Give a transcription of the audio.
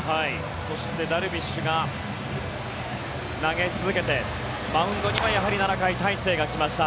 そしてダルビッシュが投げ続けてマウンドには、やはり７回大勢が来ました。